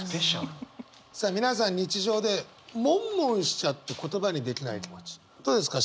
さあ皆さん日常で悶悶しちゃって言葉にできない気持ちどうですか？